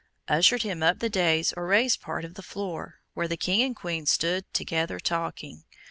ushered him up to the dais or raised part of the floor, where the King and Queen stood together talking.